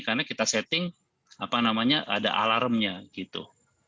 karena kita setting apa namanya ada alarmnya gitu